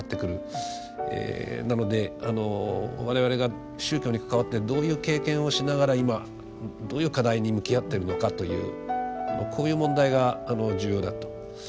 なので我々が宗教に関わってどういう経験をしながら今どういう課題に向き合ってるのかというこういう問題が重要だと。